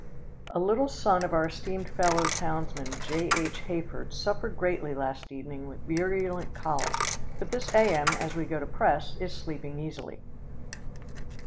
"A little son of our esteemed fellow townsman, J.H. Hayford, suffered greatly last evening with virulent colic, but this A.M., as we go to press, is sleeping easily."